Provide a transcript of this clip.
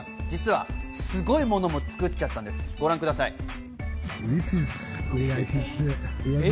実は、すごいものも作っちゃったんです、ご覧ください。